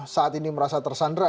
saat ini merasa tersandra